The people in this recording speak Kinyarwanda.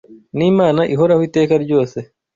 n’Imana ihoraho iteka ryose